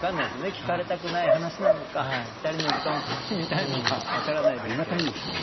聞かれたくない話なのか２人の時間を楽しみたいのか分からないですけど。